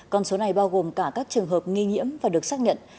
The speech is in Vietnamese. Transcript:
con số này bao gồm cả các trường hợp nghi nhiễm và được xác nhận